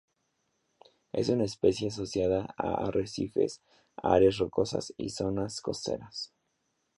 Es una especie asociada a arrecifes, áreas rocosas y zonas costeras.